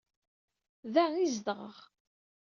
Da ay zedɣeɣ.